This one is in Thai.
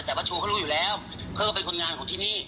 แต่ป้าชูเขารู้อยู่แล้วพ่อเป็นคนงานของที่นี่